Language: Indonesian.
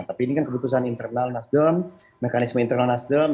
tapi ini kan keputusan internal nasdem mekanisme internal nasdem